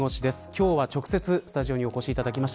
今日は直接スタジオにお越しいただきました。